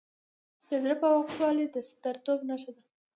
د زړه پاکوالی د سترتوب نښه ده.